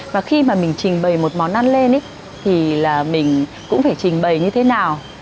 và khi mà mình trình bày một món ăn lên thì là mình cũng phải trình bày như thế nào